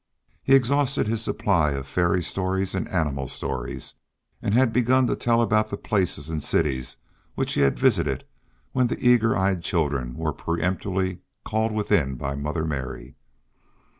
He exhausted his supply of fairy stories and animal stories; and had begun to tell about the places and cities which he had visited when the eager eyed children were peremptorily called within by Mother Mary.